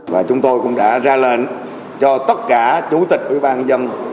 và chúng tôi cũng đã ra lệnh cho tất cả chủ tịch ủy ban nhân dân